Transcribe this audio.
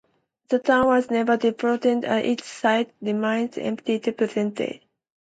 The town was never developed and its site remains empty to the present day.